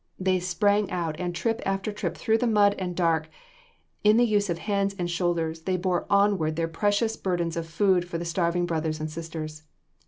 They sprang out, and trip after trip through the mud and dark, in the use of hands and shoulders, they bore onward their precious burdens of food for the starving brothers and sisters.